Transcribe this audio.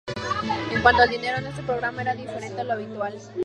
En cuanto al dinero en este programa, era diferente a lo habitual.